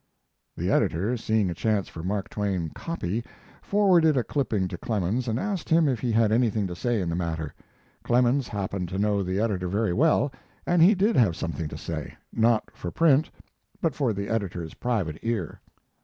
The editor, seeing a chance for Mark Twain "copy," forwarded a clipping to Clemens and asked him if he had anything to say in the matter. Clemens happened to know the editor very well, and he did have something to say, not for print, but for the editor's private ear.